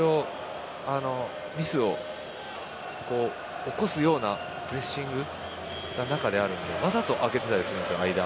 ミスを起こすようなプレッシングがあるのでわざと空けたりするんですよ、間。